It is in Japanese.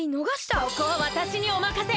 ここはわたしにおまかせ！